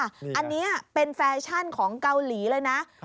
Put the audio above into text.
อันนี้เป็นแฟชั่นของเกาหลีเลยนะ